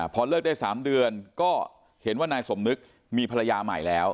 พอเลิกได้๓เดือนก็เห็นว่านายสมนึกมีภรรยาใหม่แล้ว